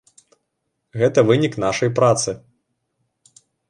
Гэта вынік нашай працы.